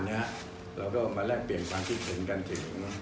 เราก็มาแรกเปลี่ยนความที่เห็นกันที่